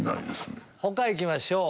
他行きましょう。